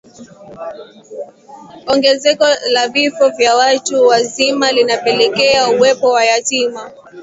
ongezeko la vifo vya watu wazima linapelekea uwepo wa yatima